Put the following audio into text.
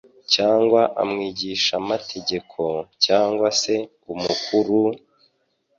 cyangwa umwigishamategeko cyangwa se umukuru?